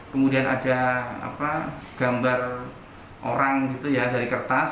kemudian ada gambar orang dari kertas